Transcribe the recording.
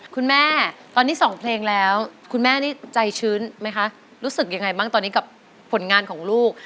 คุณแม่ตอนนี้สองเพลงแล้วคุณแม่นี่ใจชื้นไหมคะรู้สึกยังไงบ้างตอนนี้กับผลงานของลูก